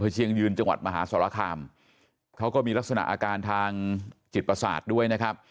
เชียงยืนจังหวัดมหาสรคามเขาก็มีลักษณะอาการทางจิตประสาทด้วยนะครับ